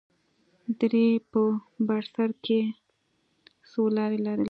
درې په بر سر کښې څو لارې لرلې.